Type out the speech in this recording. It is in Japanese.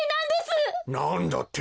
なんだって？